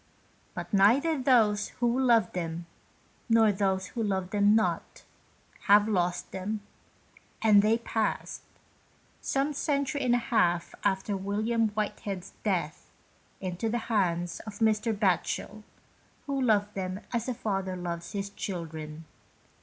But neither those who loved them, nor those who loved them not, have lost them, and they passed, some century and a half after William Whitehead's death, into the hands of Mr. Batchel, who loved them as a father loves his children.